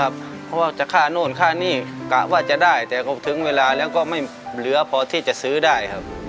ส่วนค่าหนี้กะว่าจะได้แต่ก็ถึงเวลาแล้วก็ไม่เหลือพอที่จะซื้อได้ครับ